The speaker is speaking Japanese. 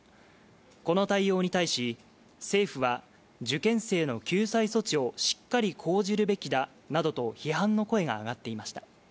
この対応に対し政府は受験生の救済措置をしっかり講じるべきだなどと批判の声が上がっていました。